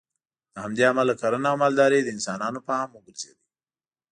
له همدې امله کرنه او مالداري د انسانانو پام وګرځېد